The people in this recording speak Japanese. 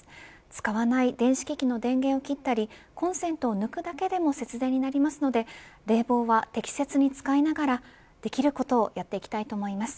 使わない電子機器の電源を切ったりコンセントを抜くだけでも節電になりますので冷房は適切に使いながらできることをやっていきたいと思います。